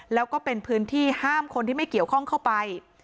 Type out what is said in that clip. แล้วก็เป็นพื้นที่ห้ามคนที่ไม่เกี่ยวข้องเข้าไป